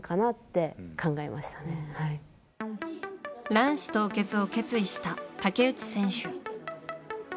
卵子凍結を決意した竹内選手。